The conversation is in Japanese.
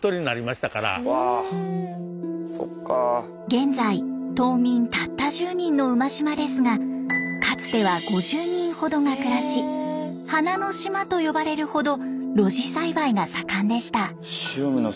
現在島民たった１０人の馬島ですがかつては５０人ほどが暮らし花の島と呼ばれるほど露地栽培が盛んでした。